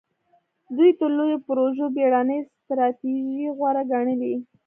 دوی تر لویو پروژو بېړنۍ ستراتیژۍ غوره ګڼلې.